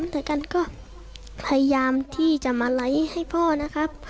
แต่กันก็พยายามที่จะมาไลค์ให้พ่อนะครับ